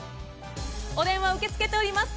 お電話受け付けております。